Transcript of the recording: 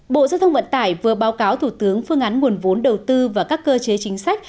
bộ giao thông vận tải vừa báo cáo thủ tướng phương án nguồn vốn đầu tư và các cơ chế chính sách